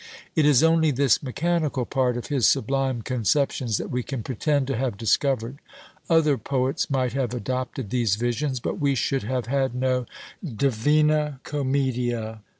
It is only this mechanical part of his sublime conceptions that we can pretend to have discovered; other poets might have adopted these "Visions;" but we should have had no "Divina Commedia."